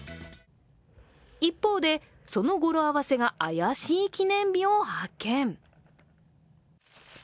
一方で、その語呂合わせが怪しい記念日を発見。